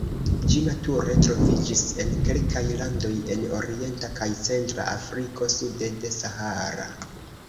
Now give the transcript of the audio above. Ĝi nature troviĝis en kelkaj landoj en Orienta kaj Centra Afriko sude de Sahara.